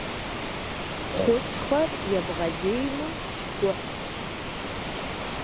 Хущхъуэр ебгъэлеймэ — щхъухьщ.